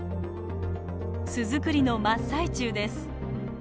巣作りの真っ最中です。